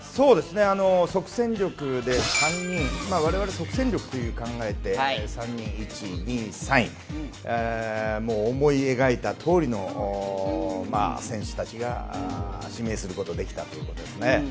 即戦力で３人、我々、即戦力と考えて３人、１、２、３位、思い描いたとおりの選手たちが指名することができたということですね。